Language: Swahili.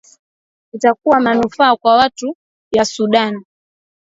itakuwa manufaa kwa watu ya sudan